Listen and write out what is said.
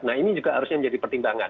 nah ini juga harusnya menjadi pertimbangan